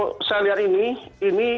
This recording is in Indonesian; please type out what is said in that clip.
jadi kita tarik akan menggunakan strategirone